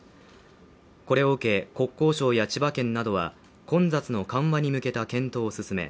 これを受け、国交省や千葉県などは混雑の緩和に向けた検討を進め